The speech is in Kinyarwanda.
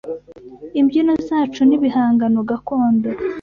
Imbyino zacu n’ibihangano gakondo